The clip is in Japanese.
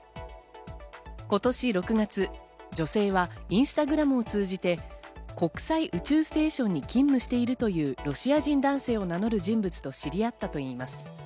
今年６月、女性はインスタグラムを通じて、国際宇宙ステーションに勤務しているというロシア人男性を名乗る人物と知り合ったといいます。